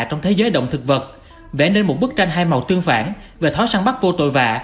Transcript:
trong thế giới động thực vật vẽ nên một bức tranh hai màu tương phản về thói săn bắt vô tội vạ